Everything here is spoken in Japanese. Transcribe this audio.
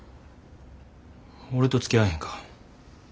俺とつきあわへんか。